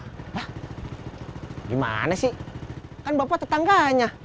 hah gimana sih kan bapak tetangganya